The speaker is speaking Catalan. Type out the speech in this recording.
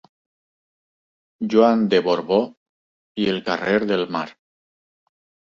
Joan de Borbó i el carrer del Mar.